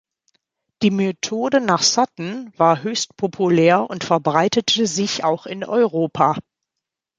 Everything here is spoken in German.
Die Methode nach Sutton war höchst populär und verbreitete sich auch in Europa.